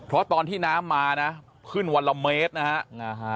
เพราะตอนที่น้ำมานะขึ้นวันละเมตรนะฮะ